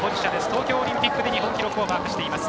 東京オリンピックで日本記録をマークしています。